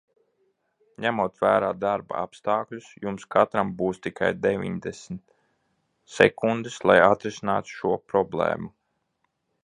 Ņemot vērā darba apstākļus, jums katram būs tikai deviņdesmit sekundes, lai atrisinātu šo problēmu.